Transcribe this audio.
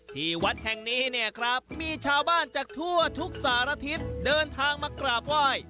ที่วัดแห่งนี้เนี่ยครับมีชาวบ้านจากทั่วทุกสารทิศเดินทางมากราบไหว้